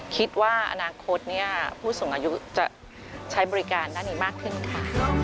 คิดว่าอนาคตผู้สูงอายุจะใช้บริการด้านนี้มากขึ้นค่ะ